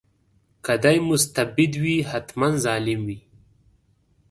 که دی مستبد وي حتماً ظالم وي.